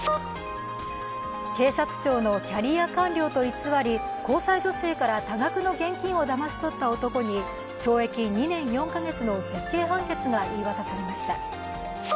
警察庁のキャリア官僚と偽り、交際女性から多額の現金をだまし取った男に懲役２年４か月の実刑判決が言い渡されました。